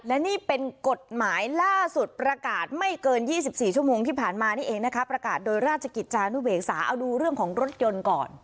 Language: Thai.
และนี่เป็นกฎหมายล่าสุดประกาศไม่เกิน๒๔ชั่วโมงที่ผ่านมานี่เองนะคะประกาศโดยราชกิจจานุเวกษาเอาดูเรื่องของรถยนต์ก่อน